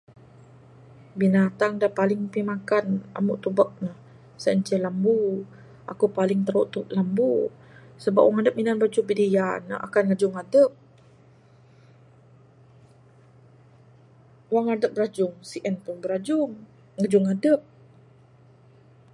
Binatang da paling pimagan amu tubek ne sien ce lembu, aku paling tirawe tubek lembu. Sebab wang adep minan bajuh bidayak, ne akan ngajung adep. Wang adep birajung, sien pun birajung, ngajung adep.